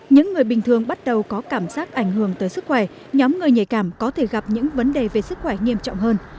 những người bình thường bắt đầu có cảm giác ảnh hưởng tới sức khỏe nhóm người nhạy cảm có thể gặp những vấn đề về sức khỏe nghiêm trọng hơn